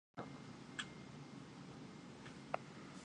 И поэтому он представляет собой, на наш взгляд, наилучший наличный вариант.